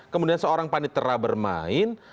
kemudian seorang panitra bermain